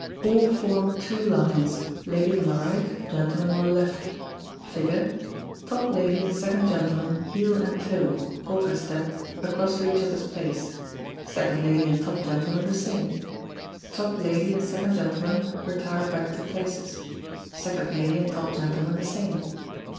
All form two lines, ladies on the right, gentlemen on the left. Figure. Top lady and second gentleman heel and toe (polka step) across to each other's place second lady and top gentleman the same. Top lady and second gentleman retire back to places second lady and top gentleman the same.